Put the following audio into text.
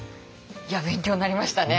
いや勉強になりましたね。